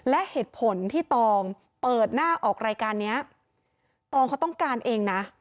และเหตุผลที่ตองเปิดหน้าออกรายการนี้ตองเขาต้องการเองนะ